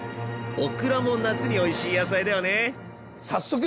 オクラも夏においしい野菜だよね。